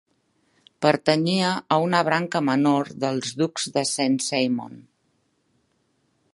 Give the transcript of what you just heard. Pertanyia a una branca menor dels ducs de Saint-Simon.